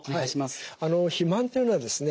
肥満というのはですね